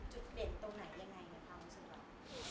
จุดเด่นตรงไหนได้รู้ครับ